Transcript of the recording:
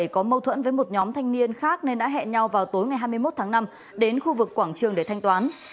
có mâu thuẫn với một nhóm thanh niên khác nên đã hẹn nhau vào tối ngày hai mươi một tháng năm đến khu vực quảng trường để thanh toán